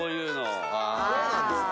そうなんですか。